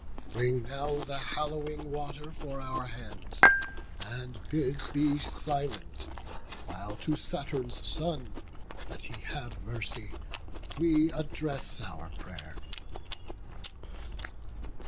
Bring now the hallowing water for our hands; And bid be silent, while to Saturn's son, That he have mercy, we address our pray'r."